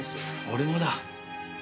俺もだ。